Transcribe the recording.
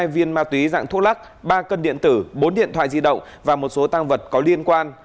bốn trăm chín mươi hai viên ma túy dạng thuốc lắc ba cân điện tử bốn điện thoại di động và một số tăng vật có liên quan